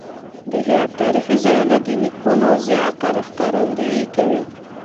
د هېواد تاریخي ځایونه د نیکونو زیار ښکارندویي کوي.